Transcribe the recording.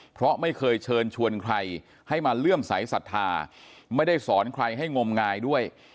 เพราะไม่เคยเชิญชวนใครให้มาเลื่อมใสสัทธาไม่ได้สอนใครให้งมงายด้วย